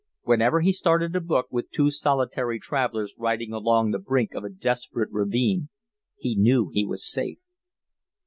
Whenever he started a book with two solitary travellers riding along the brink of a desperate ravine he knew he was safe.